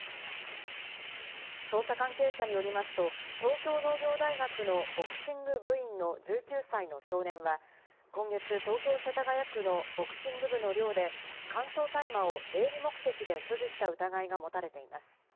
捜査関係者によりますと、東京農業大学のボクシング部員の１９歳の少年は今月、東京・世田谷区のボクシング部の寮で乾燥大麻を営利目的で所持した疑いが持たれています。